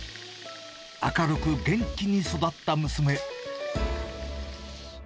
明るく元気に育った娘。